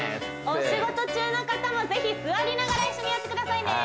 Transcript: お仕事中の方もぜひ座りながら一緒にやってくださいね